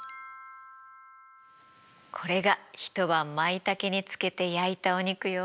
これが一晩マイタケに漬けて焼いたお肉よ。